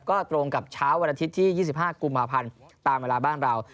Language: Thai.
ก็ตรงกับเช้าวันอาทิตย์ที่๒๕กุมภาพันธ์ตามเวลาบ้านเรา